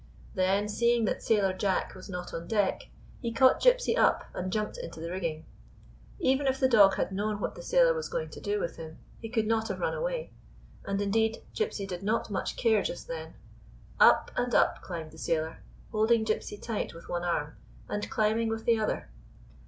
Then, seeing that Sailor Jack was not on deck, he caught Gypsy up and jumped into the rigging. Even if the dog had known what the sailor was going to do with him, he could not have run away ; and, indeed, Gypsy did not much care just then. Up and up climbed the sailor, hold ing Gypsy tight *with one arm and climbing with the other.